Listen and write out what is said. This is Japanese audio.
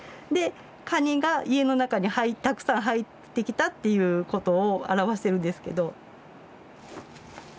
でカニが家の中にたくさん入ってきたっていうことを表してるんですけど。